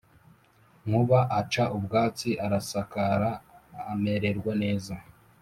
Nkuba aca ubwatsi, arasakara, amererwa neza